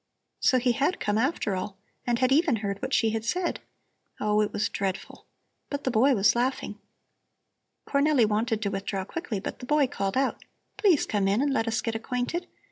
So he had come after all and had even heard what she had said. Oh, it was dreadful! But the boy was laughing. Cornelli wanted to withdraw quickly, but the boy called out: "Please come in and let us get acquainted. Mrs.